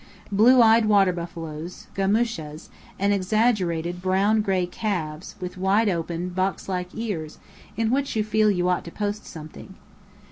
Blue eyed water buffaloes gamoushas and exaggerated brown gray calves, with wide open, boxlike ears in which you feel you ought to post something.